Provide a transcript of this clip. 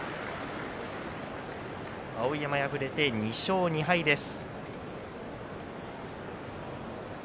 碧山、敗れて２勝２敗です。